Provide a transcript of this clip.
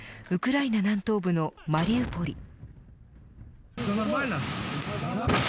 ウクライナ南東部のマリウポリ。